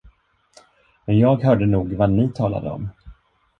Men jag hörde nog vad ni talade om.